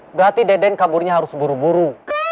berarti deden kaburnya harus buru buru